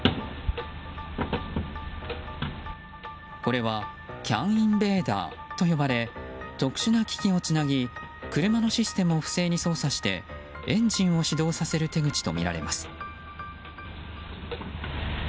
これはＣＡＮインベーダーと呼ばれ特殊な機器をつなぎ車のシステムを不正に操作してエンジンを始動させる手口とみられます。